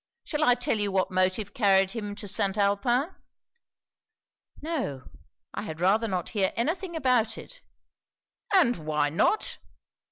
Shall I tell you what motive carried him to St. Alpin?' 'No I had rather not hear any thing about it.' 'And why not?'